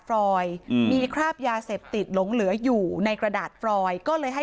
ฟรอยอืมมีคราบยาเสพติดหลงเหลืออยู่ในกระดาษฟรอยก็เลยให้